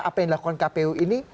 apa yang dilakukan kpu ini